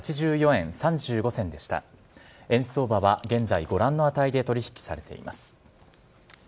円相場は現在、ご覧の値で取り引きされています。